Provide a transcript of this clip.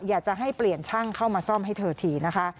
อยากจะให้เปลี่ยนช่างเข้ามาซ่อมให้เธอทีนะคะ